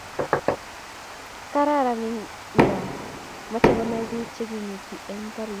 kararan ingaa meche konay biik chegemutii eng karitt